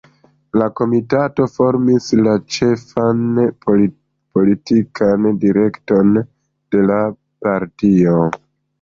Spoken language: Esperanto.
La Komitato formis la ĉefan politikan direkton de la partio.